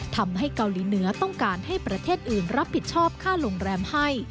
ทำให้เกาหลีเหนือต้องการให้ประเทศอื่นรับผิดชอบค่าโรงแรมให้